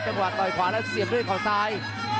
จังหวะต่อยขวาแล้วเสียบด้วยเขาซ้าย